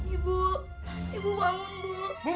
ibu ibu bangun bu